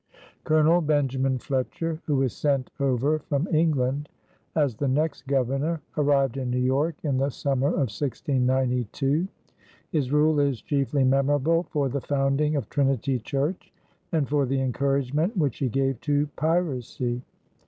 Colonel Benjamin Fletcher, who was sent over from England as the next Governor, arrived in New York in the summer of 1692. His rule is chiefly memorable for the founding of Trinity Church and for the encouragement which he gave to piracy.